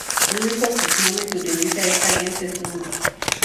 El único cognomen que utiliza esta gens es "Longus".